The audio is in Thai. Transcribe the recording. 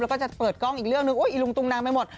แล้วก็จะเปิดกล้องอีกเรื่องหนึ่งอุ๊ยอิลุงตุงนังไปหมด